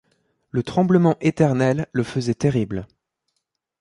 Le tremblement éternel le faisait terrible.